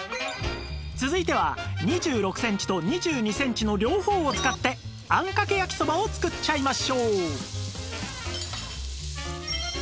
続いては２６センチと２２センチの両方を使ってあんかけ焼きそばを作っちゃいましょう